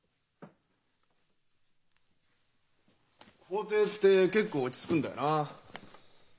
法廷って結構落ち着くんだよな。